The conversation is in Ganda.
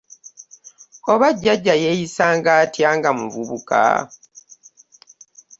Oba jjajja yeyisanga atya nga muvubuka?